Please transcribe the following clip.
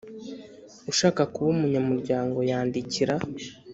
Ushaka kuba Umunyamuryango yandikira